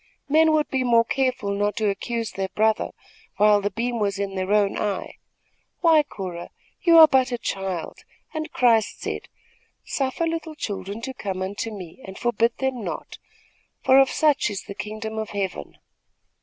Men would be more careful not to accuse their brother, while the beam was in their own eye. Why, Cora, you are but a child, and Christ said: 'Suffer little children to come unto me and forbid them not, for of such is the kingdom of Heaven.'